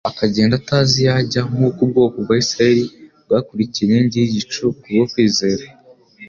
Akagenda atazi iyo ajya, nk'uko ubwoko bwa Isirayeli bwakurikiye inkingi y’igicu kubwo kwizera,